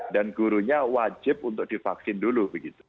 dan gurunya wajib untuk divaksin dulu